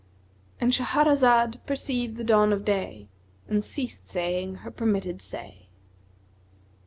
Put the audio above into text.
——And Shahrazad perceived the dawn of day and ceased saying her permitted say.